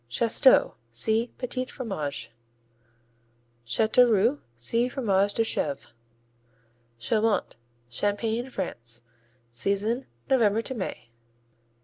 Chasteaux see Petits Fromages. Chateauroux see Fromage de Chèvre. Chaumont Champagne, France Season November to May.